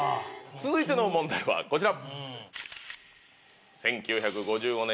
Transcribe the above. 続いての問題はこちら。